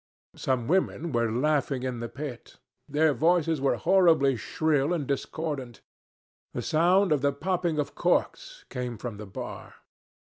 Some women were laughing in the pit. Their voices were horribly shrill and discordant. The sound of the popping of corks came from the bar.